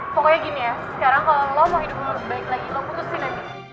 pokoknya gini ya sekarang kalo lo mau hidup mau kembali lagi lo putusin aja